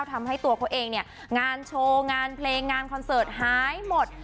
ทำให้ตัวเขาเองเนี่ยงานโชว์งานเพลงงานคอนเสิร์ตหายหมด